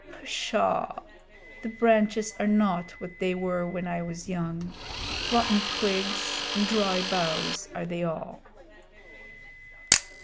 Psshaw! The branches are not what they were when I was young. Rotten twigs and dry boughs are they all."